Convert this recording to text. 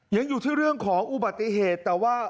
ยังอยู่ที่เรื่องของอุบัติเหตุแต่ว่า